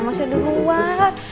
gak usah di luar